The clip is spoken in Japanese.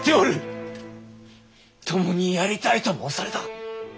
共にやりたいと申された。